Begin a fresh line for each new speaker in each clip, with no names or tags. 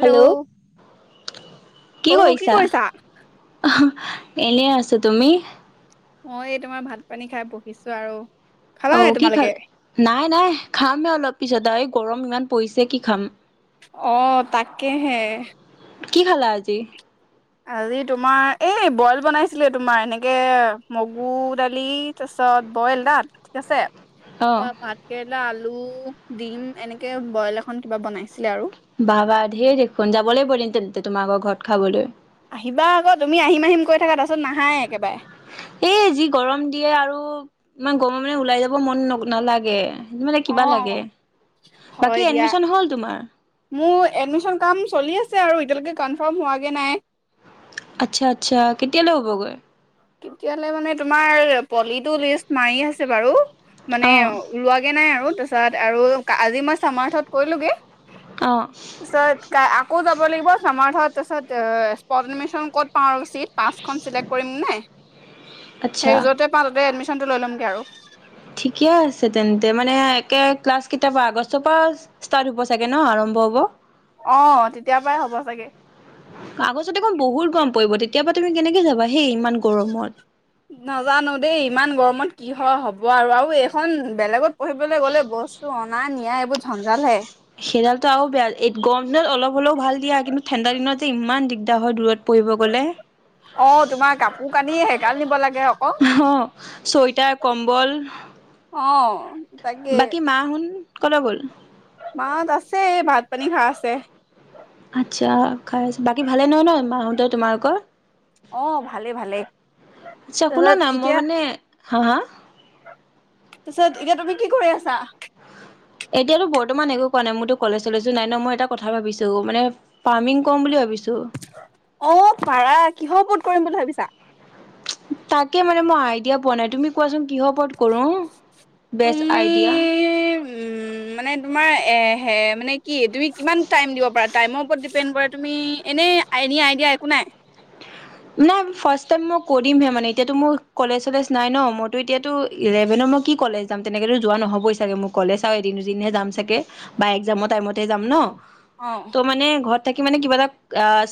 Hello, কি কৰিছা? এনেই আছো, তুমি?
মই তোমাৰ ভাত পানী খাই বহিছো আৰু। খালা
অ
নাই
কি খাল?
তোমালোকে
নাই-নাই খামহে অলপ পিছত। দাই গৰম ইমান পৰিছে কি খাম।
অ তাকেহে।
কি খালা আজি?
আজি তোমাৰ এই বইল বনাইছিলে তোমাৰ এনেকে মগু দালি তাৰপিছত বইল দাত ঠিক আছে?
অ
প ভাতকেৰেলা আলু আলু ডিম এনেকে বইল এখন কিবা বনাইছিলে আৰু।
বাবা ঢেৰ দেখোন যাব লাগিব এদিন তে তোমাৰ আগৰ ঘৰত খাবলৈ।
আহিবা আকৌ তুমি আহিম-আহিম কৈ থাকা তাৰপিছত নাহাই একেবাৰে।
এ যি গৰম দিয়ে আৰু ই গৰমে মানে ওলাই যাব মন ন নালাগে। মানে কিবা
অঁ,
লাগে। বাকী
হয় দিয়া।
এডমিশ্যন হ'ল তোমাৰ?
মোৰ এডমিশন কাম চলি আছে আৰু এটিয়ালগে কনফাৰৰ্ম হোৱাগে নাই।
আচ্ছা-আচ্ছা কেতিয়ালৈ হ'বগৈ?
কেতিয়ালে মানে তোমাৰ পলিটো লিষ্ট মাৰি আছে বাৰু। মানে
অ
ওলোৱাগে নাই আৰু। তাৰপাছত আৰু আজি মই চামাৰথত কৰিলোগে।
অ
চত কা অ আকৌ যাব লাগিব সমাৰ্থত তাৰপিছত স্পট এডমিচন ক'ত পাওঁ আৰু চিট। পাঁচখন চিলেক্ট কৰিম নাই।
আচ্ছা
সেই যতে পাও ততে এডমিশনটো লৈ ল'মগে আৰু।
ঠিকে আছে তেন্তে মানে একে ক্লাছ কিতাপ আগষ্টৰ প ষ্টাট হব চাগে ন আৰম্ ওৱ
অহ তেতিয়াৰ পৰাই হ'ব চাগে।
কে তুমি কেনেকে যাবা? হেই ইমান গৰমত
নাজানো দেই ইমান গৰমত কি হয় হ'ব আৰু আৰু এইখন বেলেগত- পঢ়িবলৈ গ'লে বস্তু- নাই নিয়া এইবোৰ ঝঞ্জাল হে।
সেইডালটো আৰু বেয়া, গৰম দিনত অলপ হ'লেও ভাল দিয়া কিন্তু ঠাণ্ডা দিনত যে ইমান দিগদাৰ হয় দূৰত পঢ়িব গলে।
অ তোমাৰ কাপোৰ কানিয়ে হে - নি বলা-
অ । চুৱেতাৰ কম্বল-
অ। তাকে
বাকি মা হুন- কলৈ গল?
মাহত আছে, ভাত পানী খায় আছে।
আচ্ছা খাই আছ, বাকী ভালে ন, নয় মাহত ত তোমালোকৰ
অ ভালে-ভালে, তাৰপিছত এতিয়া
হা-হা-
তাৰপিছত এতিয়া তুমি কি কৰি আছা?
এতিয়াতো বৰ্তমান একো কোৱা নাই, মইতো কলেজ-চলেজো নাই ন, মই এটা কথা ভাবিছো মানে, ফাৰ্মিং কৰো বুলি ভাবিছো?
অ' পাৰা কিহৰ ওপৰত কৰিম বুলি ভাবিছা?
তাকে মানে মই আইডিয়া পোৱা নাই তুমি কোৱাচোন? কিহৰ ওপৰত কৰো, বেষ্ট
তুমি
আইডিয়া।
উম, মানে তোমাৰ এ হে মানে কি? তুমি কিমান টাইম দিব পাৰা, টাইমৰ ওপৰত তুমি এনে আইডিয়া, আইডিয়া একো নাই।
নাই, ফাষ্ট টাইম মই কৰিমহে মানে এতিয়াতো মোৰ কলেজ চলেজ নাই ন মোৰ- ত এতিয়াতো ইলেভেনৰ মই কি কলেজ যাম তেনেকৈতো যোৱা নহ'বই চাগে, মোক কলেজ আৰু এদিন দুদিনহে যাম চাগে বা এক্সামৰ টাইমতহে যাম ন।
অ
ত' মানে ঘৰত তাকে মানে কিবা এটা,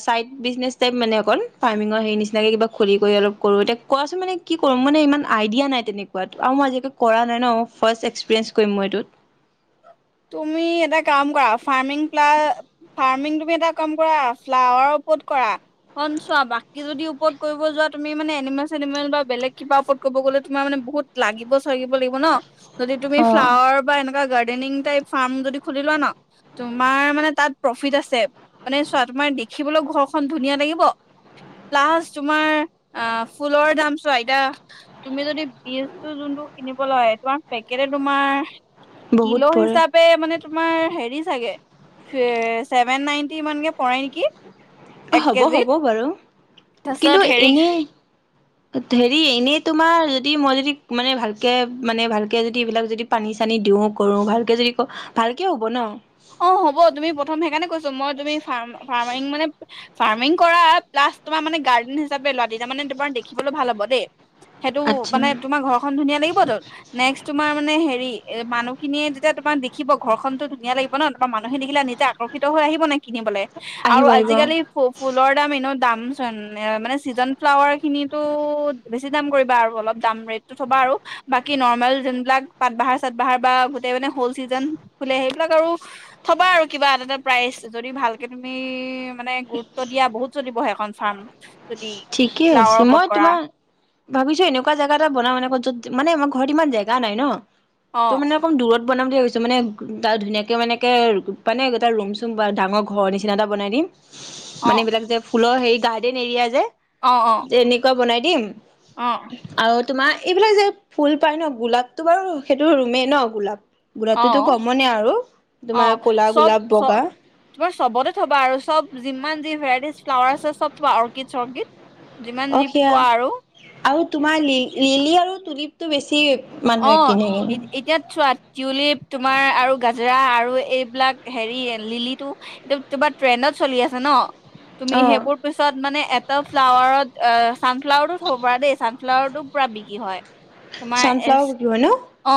চাইড বিজনেচ টাইপ মানে অকণ ফাৰ্মিঙৰ সেই নিচিনাকে কিবা খুলি কৰি অলপ কৰোঁ, এতিয়া কোৱাচোন মানে কি কৰোঁ মানে ইমান আইডিয়া নাই তেনেকুৱা আৰু মই আজিকালি কৰা নাই ন ফাষ্ট এক্সপিৰিয়েঞ্চ কৰিম মই এইটো।
তুমি এটা কাম কৰা ফাৰ্মিং-ফাৰ্মিং, তুমি এটা কাম কৰা ফ্লাৱাৰৰ ওপৰত কৰা চোৱা, বাকী যদি ওপৰত কৰিব যোৱা তুমি মান এনিমেল-চেনিমেল বা বেলেগ কিবা ওপৰত কৰিব গলে, তোমাৰ মান বহুত লাগিব চাগিব লাগিব ন। যদি তুমি ফ্লাৱাৰ
অ'
বা এনেকোৱা গাৰ ডেনিং ফাৰ্ম যদি খুলি লোৱা ন, তোমাৰ মানে তাত প্ৰফিট আছে। মানে চোৱা তোমাৰ দেখিবলৈ ঘৰখন ধুনীয়া লাগিব, প্লাছ তোমাৰ, ফুলৰ দাম চোৱা, এয়া তুমি যদি বজটো যোনটো কিনিব লয়, তোমাৰ পেকেট তোমাৰ কিলো
বহুত পৰে।
হিচাপে মানে তোমাৰ হেৰি চাগে ছেভেন নাইনটি ইমানকে পৰে নেকি?
অ'
এক কেজিত
হ'ব-হ'ব বাৰু
তাৰপিছত
কিন্তু
হেৰি
এনে হেৰি এনেই তোমাৰ যদি, মই যদি মানে ভালকে মানে ভালকে যদি এইবিলাক যদি পানী চানী দিওঁ কৰো, ভালকে যদি ক ভালকে হব ন।
অ' হ'ব তুমি প্ৰথম সেইকাৰণে কৈছ মই তুমি ফাৰ্মিং মানে ফাৰ্মি কৰা প্লা তোমাৰ মানে গাৰ্ডেন হিচাপে লোৱা, তেতিয়া মানে তোমাৰ দেখিবলৈ ভাল হব দেই। সেইটো
আচ্ছা
মানে তোমাৰ ঘৰখন ধুনীয়া লাগিবত। নেক্সট তোমাৰ মানে হেৰি এ মানুহখিনিয়ে যেতিয়া তোমাক দেখিব ঘৰখননতো ধুনীয়া লাগিব। ন তাৰ মানুহ দেখিল নিজে আকৰ্ষিত হৈ আহিব নে কিনিবলে আৰু
আহিব আহিব
আজিকালি ফু-ফুলৰ দাম এনেও দাম চোন মানে চিজন ফ্লাৱাৰ খিনি টো বেছি দাম কৰিবা আৰু অলপ দাম ৰেতটো থ'বা আৰু বাকী নৰ্মেল যোনবিলাক পাত বাহাৰ চাত বাহাৰ বা গোটেই মানে হ'ল চিজন ফুলে সেইবিলাক আৰু থবা আৰু কিবা এটা এটা প্ৰাইজ যদি ভালকে তুমি মানে গুৰুত্ব দিয়া বহুত চলিব সেইখন ফাৰ্ম যদি
ঠিকেই
ফ্লাৱাৰ
আছে
ওপৰত
মই
কৰা
তোমাৰ ভাবিছোঁ এনেকুৱা জেগা এটা বনা মানে ঘৰত ইমান জেগা নাই ন।
অ
তো মানে অকমান দূৰত। বনাম বুলি ভাবিছো মানে ত ধুনীয়াকে মানে এনেকে মানে এটা ৰুম চুম বা ডাঙৰ ঘৰ নিচিনা এটা বনাই দিম।
অ
মানে এইবিলাক যে স্কুলৰ হেৰি গাৰ্ডেন এৰিয়া যে
অ', অ',
যে এনেকুৱা বনাই দিম
অ',
আৰু তোমাৰ এইফালে যে ফুল পায় ন গোলাপটো বাৰু সেইটো ৰুমে ন গোলাপ গোলাপটোতো
অ'
কমনে আৰু তোমাৰ
অ'
ক'লা
চব
গোলাপ
চ
বগা
তোমাৰ চবতে থ'বা আৰু চব যিমান যি ভেৰাইটিজ ফ্লাৱাৰ আছে চব থোৱা অৰ্কড চৰ্কিড যিমান
অ
যি
সেয়া
পোৱা আৰু
আৰু তোমাৰ লি-লিলি আৰু তুলিপটো বেছি মানুহে কিনে
অ' এতিয়াত চোৱা টিউলিপ তোমাৰ আৰু গাজৰা আৰু এইবিলাক হেৰি লিলিটো এইটো তোমাৰ ট্ৰেণ্ডত চলি আছে ন। তুমি
অ
সেইবোৰ পিছত মানে এটা ফ্লাৱাৰত চানফ্লাৱাৰো থ'ব পাৰ দেই চান ফ্লাৱাৰটো পুৰা বিক্ৰী হয়। তোমাৰ এ
চানফ্লাৱ লয় ন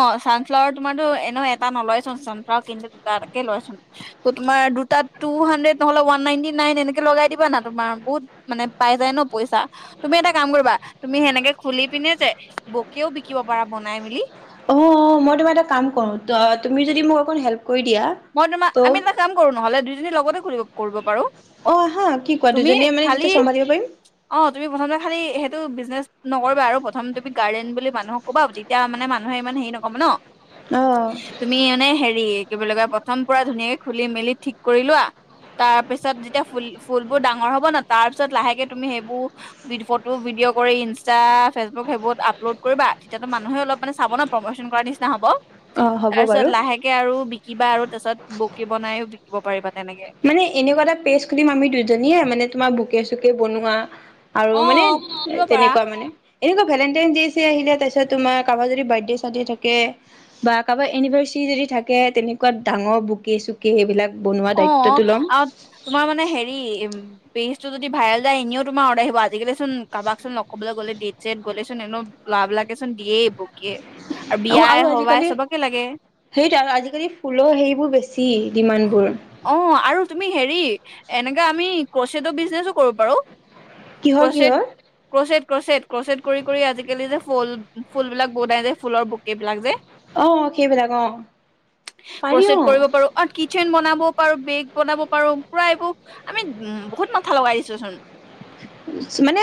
অ' চানফ্লাৱাৰ তোমাৰতো এনে এটা নলয় চোন চানফ্লাৱাৰ কিন্তু দুটাকে লয়চোন ত তোমাৰ দুটা টু হাড্ৰেড নহলে ওৱান নাইনটি নাইন এনেকে লগাই দিবা না তোমাৰ বহুত মানে পাই যায় ন পইচা তুমি এটা কাম কৰিবা তুমি সেনেকে খুলি পিনে যে বকেও বিকিব পাৰা বনাই মেলি
অ', অ', মই তোমাৰ এটা কাম কৰো তুমি যদি মোক হেল্প কৰি দিয়া
মই তোমা আমি
ত'
এটা কাম কৰোঁ নহলে দুইজনীয়ে লগতে কৰিব পাৰো
অ', হা কি কোৱা
তুমি
দুজনীয়ে মানে
খালি
তেতিয়া চম্ভালিব পাৰিম
অ তুমি প্ৰথমতে খালি সেটো বিজনেছ নকৰিবা আৰু প্ৰথম তুমি গাৰ্ডেন বুলি মানুহক ক'বা তেতিয়া মানে মানুহে ইমান হেৰি নকব ন।
অ',
তুমি মানে হেৰি লগা [unintelligible] প্ৰথম পুৰা ধুনীয়াকে খুলি মেলি ঠিক কৰি লোৱা তাৰ পিছত যেতিয়া ফুল ফুলবোৰ ডাঙৰ হব ন তাৰ পিছত লাহেকে তুমি সেইবোৰ ফটো ভিডিঅ' কৰি ইনষ্টা ফেচবুক সেইবোৰত আপলোড কৰিবা তেতিয়াতো মানুহে অলপ মানে চাব ন প্ৰমচন কৰ নিচিনা হ'ব।
অ', হ'ব
তাৰপিছত
বাৰু।
লাহেকে আৰু বিকিবা আৰু বুকে বনাইও দিব পাৰিবা। তেনেকে।
মানে এনেকুৱা এটা পেজ খুলিম আমি দুজনীয়ে মানে তোমাৰ বুকে বুকে চুকে বনোৱা আৰু মানে
অ', খুলিব পাৰা।
তেনেকুৱা মানে এনেকুৱা ভেলেন্টাইন দে চে আছিলে তাৰপিছত তোমাৰ কাৰোবাৰ যদি বাৰ্থদে চাৰ্থদে থাকে বা কাৰোবাৰ এনিভাৰ্চেৰী যদি থাকে ডাঙৰ তেনেকুৱা বুকে চুকে সেইবিলাক বনোৱা দায়িত্ব।
অ', আৰু তোমাৰ মানে হেৰি পেজটো যদি ভাইৰাল যায় এনেও তোমাৰ অৰ্ডাৰ আহিব। আজিকালি চুন কাৰোবাৰক লগ কৰিবলৈ গলে ডেট চছেট গ'লেচোন এনেও ল'ৰাবিলাকেচোন দিয়েই এইবোৰ।
অ আৰু আজিকালি
লাগে
সেইটো আৰু আজিকালি ফুলৰ সেইবোৰ বেছি। ডিমাণ্ড বোৰ
অ', আৰু তুমি হেৰি এনেকা আমি ক্ৰচেড বিজনেছো কৰিব পাৰো।
কিহৰ
ক্ৰচেড
কিহৰ
ক্ৰচেড ক্ৰচেট ক্ৰচেট কৰি কৰি আজিকালি যে ফুলবিলাক বহুত আহে যে ফুলৰ বুকে বিলাক যে
অ', সেইবিলাক অ', পাৰি
ক্ৰচেট
অ'।
কৰিব পাৰো আৰু কিটচেন বনাব পাৰো বেগ বনাব পাৰো পুৰা এইবোৰ আমি উ'ম বহুত মাথা লগাই দিছো চোন।
মানে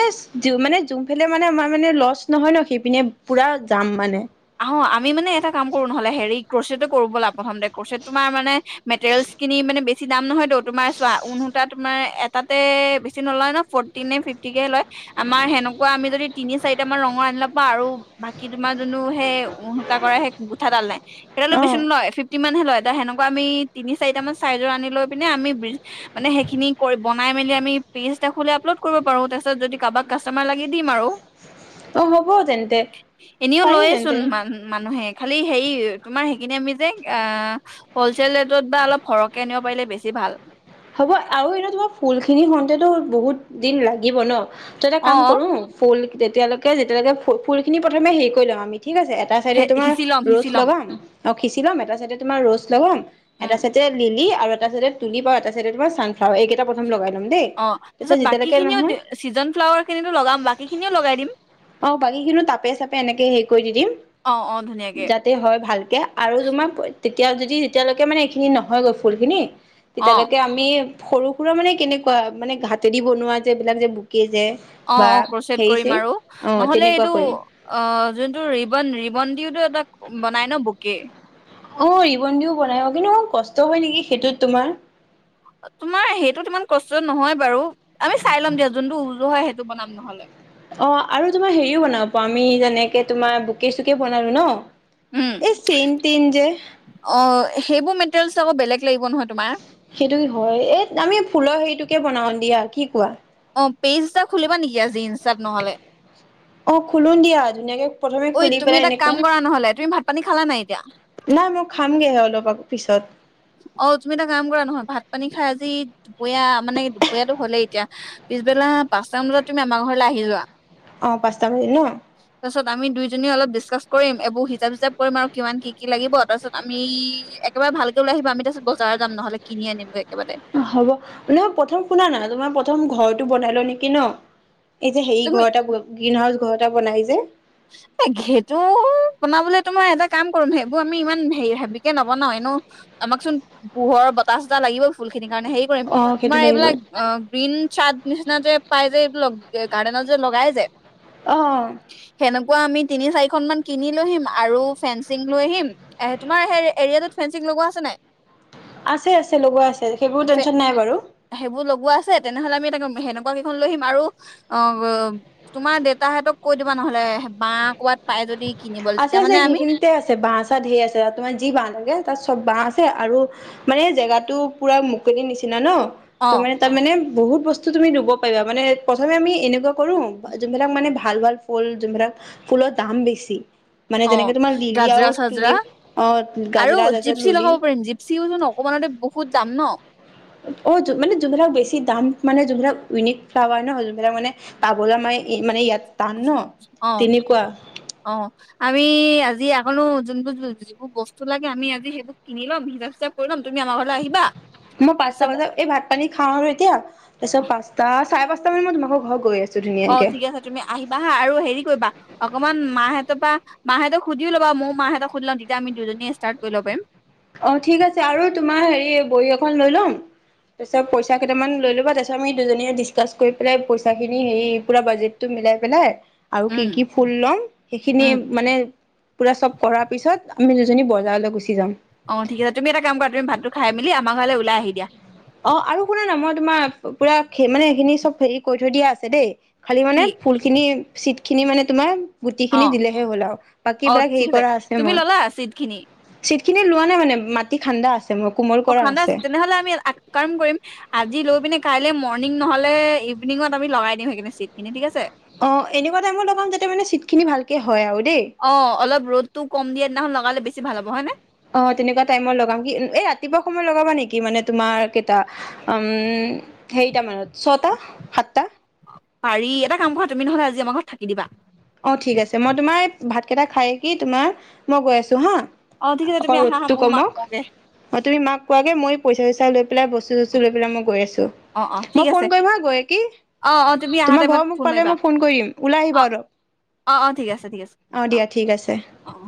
মানে যোন পিনে আমাৰ মানে লচ নহয় ন সেইপিনে পুৰা যাম মানে।
অ আমি মানে এটা কাম কৰো নহলে হেৰি ক্ৰচটো কৰো ব'লা প্ৰথমতে ক্ৰচেত তোমাৰ মানে মেটেৰিয়েল খিনি মানে বেছি দাম নহয়ত তোমাৰ চোৱা ঊণ সূতা তোমাৰ এটাতে বেছি নলয় ন ফৰ্টিে ফিফটিকে লয় আমাৰ সেনেকুৱা আমি যদি তিনি চাৰিটা মান ৰঙৰ আনি লব পাৰো আৰু। বাকী তোমাৰ যোনতো সেই ঊণ সূতা কৰা সেই গুঠাডাল নাই। এটালো
অ
বেছি নহয়। হে লয় এ সেনেকুৱা আমি তিনি চাৰিট মান চাইজৰ আনি লৈ পিনে আমি মানে সেইখিনি বনাই মেলি আমি পেজ দেখে আপলোড কৰিব পাৰো তাৰপিছত যদি কাৰোবাক কাষ্টমাৰ লাগি দিম আৰু।
অ', হ'ব তেন্তে।
এনেওঁ
পাৰি
লয়েচোন
তেন্তে
মান মানুহে খালি হেৰি তোমাৰ সেইখিনি আমি যে হলচেল ৰেটত বা অলপ সৰহকে আনিব পাৰিলে বেছি ভাল।
হ'ব আৰু এনে তোমাৰ ফুল খিনি হওঁতেটো বহুত দিন লাগিব ন। ত এটা
অ
কাম কৰো ফুল তেতিয়ালৈকে যেতিয়ালৈকে ফুল খিনি প্ৰথমে হেৰি কৰি লওঁ আমি। ঠিক আছে এটা চাইডে তোমাৰ
সিঁচি ল'ম সিঁচি
ৰ'চ
ল'ম
লগাম। অঁ সিচি ল'ম এটা চাইডে তোমাৰ ৰ'জ লগাম। এটা
উম
চাইডে লিলি আৰু এটা চিইডে তুলিপত তা ছানফ্লাৰ এই কেইটা প্ৰথম লগাই। দেই
অ
পিছত
তাৰপিছত বাকী
যেতিয়ালৈকে
খিনিও
নহয়
ছিজন ফ্লাৱাৰ খিনিতো লগাম বাকী খিনিও লগাই দিম
আহ বাকী খিনিও তাপে চাপে এনেকে শেষ কৰি দি দিম।
অ অ ধুনীয়াকে
যাতে হয় ভালকে আৰু তোমাক- তেতিয়া যদি এতিয়ালৈকে মানে এইখিনি নহয়গৈ ফুলখিনি।
অ।
এ সৰু সুৰা মানে কেনেকুৱা মানে হাতেদি বনোৱা যে এইলাক যে বুকে যে।
অ
বা
অ ক্ৰচট
হেৰি
কৰিম
চেই
আৰু
অ
নহ'লে,
তেনেকুৱা
এইটো
কৰিম
অ যোনটো ৰিবন, ৰিবন দিও এটা। বনাই ন বুকে।
অ ৰিবন দিও বনাই অ, কিন্তু অ কষ্ট হয় নেকি সেইটোত তোমাৰ।
তোমাৰ সেইটোত ইমান কষ্ট নহয় বাৰু আমি চাই লম দিয়া যোনটো উজু হয় সেইটো বনাম নহলে।
অ আৰু তোমাৰ হেৰিও বনাব পাৰ আমি যেনেকে তোমাৰ বোকে চুকে বনালো ন।
উম
এই চেইন তেইন যে।
অ সেইবোৰ মেটেৰিয়েলছ আক বেলেগ লাগিব নহয়। তোমাৰ
সেইটো হয় এ আমি ফুলৰ হেৰিটো। বনাও দিয়া কি কোৱা।
অ পেইজটা। খুলিবা নেকি আজি ইনষ্টাত নহলে।
অ খুলো দিয়া ধুনীয়াকে প্ৰথমে
ঐ
খুলি
তুমি
পেলাই
এটা কাম
এনেকুৱা।
কৰা নহ'লে তুমি ভাত পানী খালা নাই এতিয়া
নাই মই খা খামগৈহে অলপ আগ পিছত।
অ তুমি এটা কাম কৰা নহয় ভাত পানী খাই আজি দুপৰীয়া মানে দুপৰীয়াটো হলেই এতিয়া পিছবেলা পাঁচটামান বজাত তুমি আমাৰ ঘৰলে আহি যোৱা।
অ পাঁচটা বাজিল ন
তাৰপিছত আমি দুইজনী অলপ ডিচকাচ কৰিম এইবোৰ হিচাপ চিচাপ কৰিম আৰু কিমান কি কি লাগিব, তাৰপিছত আমি একেবাৰে ভাল- লৈ আহিব আমি তাৰ পিছত বজাৰ যাম নহলে কিনি আনিম গৈ একেবাৰতে।
হ'ব মই প্ৰথম শুনা না, তোমাৰ প্ৰথম ঘৰটো বনাই লোৱা নেকি ন। এতিয়া হেৰি
তুমি
ঘৰ এটা 'গ্ৰীণ হাউচ' ঘৰ। টা বনাই যে।
সেইটো বনাবলে তোমাৰ এটা কাম কৰিম, সেইবোৰ আমি ইমান হেৰি হেবিকে নবনাও এনেও আমাক চোন পোহৰ, বতাহ চতাহ লাগিবই ফুল খিনিক। মানে হেৰি কৰিম
অ সেইটো
তোমাৰ
লাগিব
এইবিলাক অ গ্ৰীণ চাৰ্ট। নিচিনা যে পাই যে এই গাৰ্ডেনত যে লগাই যে।
আহ।
এনেকুৱা আমি তিনি চাৰিখন মান কিনি লৈ আহিম আৰু ফেঞ্চিং লৈ আহিম। এ তোমাৰ এৰিয়া তোত ফেঞ্চিং লগোৱা আছে নাই।
আছে আছে লগোৱা আছে সেইবোৰ টেনচন নাই বাৰু।
হেনেকুৱা কেইখন লৈ আহিম আৰু তোমাৰ দেউতাহতক কৈ দিবা। নহলে বাহ কবাত পাই যদি। কিনিবলৈ তেতিয়া
আছে-আছে
মানে আমি
সেইখিনিতে আছে বাঁহ চাহ ধেৰ আছে ত তোমাৰ যি বাঁহ লাগে তাত চব বাঁহ আছে। আৰু মানে জেগাটো পুৰা মুকলিৰ নিচিনা ন? ত
অ
মানে তাৰ মানে। বহুত বস্তু তুমি ৰুব পাৰিবা মানে প্ৰথমে আমি এনেকুৱা কৰো যোনবিলাক মানে ভাল-ভাল ফুল যোনবিলাক ফুলৰ দাম বেছি। মানে
অ
যেনেকে তোমাৰ লিলি আৰু
গাজৰা চাজৰা,
তুলিপ অ
আৰু
গাজৰা তাৰপিছত
জিপচি
লুলি
লগাব পাৰিম জিপচিওচোন অকমানতে বহুত দাম ন?
অ মানে যোনিলাক বেছি দাম মানে যোনবাক ইউনিক ফ্লাৱাৰ ন, যোনবাক মানে পাবলৈ ম মানে ইয়াত । টান ন,
অ
তেনেকুৱা।
অ আমি আজি আকনো যোনবোৰ যিবোৰ বস্তু লাগে আমি আজি সেইবোৰ কিনি ল'ম, হিচাপ-চিচাপ কৰি ল'ম, তুমি আমাৰ ঘৰলৈ আহিবা।
মই পাঁচটা
তাৰপিছত
বজাত এই ভাত পানী খাওঁ আৰু এতিয়া তাৰ পিছত পাঁচটা, চাই পাঁচ মই তোমাৰ ঘৰত গৈ আছো।
অ
ধুনীয়াকে
ঠিক আছে তুমি আহিবা হা আৰু হেৰি কৰিবা অকমান মাহঁতৰ পৰা মাহঁত সুধি লবা ময়ো মাহঁক সুধি লম তেতিয়া আম দুজনীয়ে ষ্টাট কৰিব লব পাৰিম।
অ ঠিক আছে আৰু তোমাৰ হেৰি বহী এখন লৈ লম‌, তাৰপিছত পইচা কেইটামান লৈ ল'বা তা পিছত আমি দুইজনীয়ে দিচকাছ কৰি লৈ বিলাই পইচাখিনি লৈ মিনি পুৰা বাজেটো মিলাই পেলাই আৰু
উম
কি-কি ফুল লম সেইখিনি
উম
মানে পুৰা চব কৰাৰ পিছত আমি দুজনী বজাৰলৈ গুচি যাম।
অ ঠিক আছে তুমি এটা কাম কৰা তুমি ভাতটো খাই মেলি আমাৰ ঘৰলৈ ওলাই আহি দিয়া।
অ আৰু শুনা না মই তোমাৰ পুৰা মানে সেইখিনি চব হেৰি কৰি থৈ দিয়া আছে দেই। খালী
কি
মানে ফুলখিনি চিট খিনি মানে তোমাৰ গুটি
অ
খিনি দিলেহে হ'ল আৰু
অ
বাকীবিলাক
ঠিক
হেৰি কৰা আছে
তুমি
মই‌।
ল'লা চিট খিনি
চিট খিনি লোৱা নাই মানে মাটিঠা্ণ্ডা আছে। উম কোমল
অ
কৰা
ঠাণ্ডা
আছে।
তেনেহ'লে আমি এক কাম কৰিম, আজি লৈ পিনে কাইলে মৰ্ণিং নহলে ইভিনিঙত আমি লগাই দিম সেইখিনি চিট খিনি ঠিক আছে?
অ এনেকুৱা টাইমৰ লগাম যাতে মানে চিট খিনি ভালকে হয়। আৰু দেই
অ অলপ ৰ'দতো কম দিয়া দিনাখন লগালে বেছি ভাল হব, হয় নে?
অ তেনেকুৱা টাইমত লগাম কি এই ৰাতিপুৱা সময় লগাবা নেকি, মানে তোমাৰ কেইটা উম হেৰিটা মানত ছটা, সাতটা?
পাৰি এটা কাম কৰা তুমি নহলে আজি আমাৰ ঘৰত থাকি দিবা।
অ ঠিক আছে মই তোমাৰ ভাতকেইটা খায় কি তোমাৰ মই গৈ আছো হা?
অ', ঠিক আছে
আকৌ
তুমি আহা আহা
ৰ'দটো
ময়ো মাক
কমক।
কওঁগে
তুমি মাক কোৱাগে মই পইচা চইচা লৈ পেলাই বস্তু চচতু লৈ পেলাই মই গৈ আছো।
অ', অ', ঠিক
মই
আছে
ফোন কৰিম হা গৈ কি?
অ', অ', তুমি আহা
তোমাৰ
টাইমত
ঘৰ মুখ
ফোন
পালে মই ফোন কৰি দিম, ওলাই আহিবা অলপ।
অঁ-অঁ ঠিক আছে, ঠিক আছে
অ দিয়া ঠিক আছে
অঁ-অঁ।